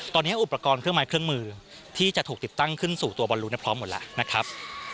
ตอนนี้อุปกรณ์เครื่องไม้เครื่องมือที่จะถูกติดตั้งขึ้นสู่ตัวบอลรู้พร้อมหมดแล้วนะครับ